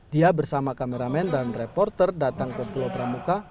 dia bersama kameramen dan reporter datang ke pulau pramuka